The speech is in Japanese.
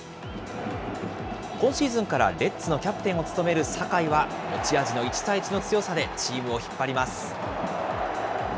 今シーズンからレッズのキャプテンを務める酒井は、持ち味の１対１の強さでチームを引っ張ります。